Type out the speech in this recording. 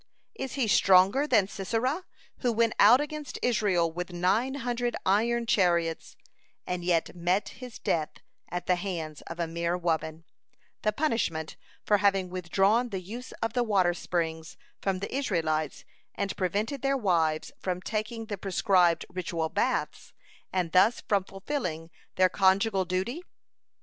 Is he stronger than Sisera, who went out against Israel with nine hundred iron chariots, and yet met his death at the hands of a mere woman, the punishment for having withdrawn the use of the water springs from the Israelites and prevented their wives from taking the prescribed ritual baths and thus from fulfilling their conjugal duty?